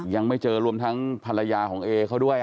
ยังไม่เจอรวมทั้งภรรยาของเอเขาด้วย